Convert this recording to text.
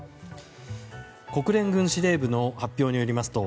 国連軍司令部の発表によりますと